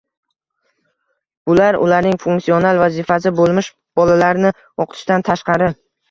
Bular ularning funksional vazifasi bo‘lmish bolalarni o‘qitishdan tashqari